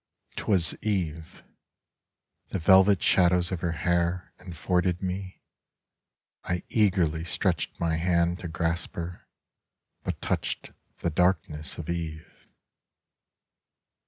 Twas eve ; The velvet shadows of her hair enforded me ; I eagerly stretched my hand to grasp her, But touched the darkness of eve.